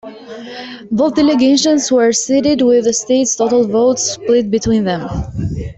Both delegations were seated with the state's total votes split between them.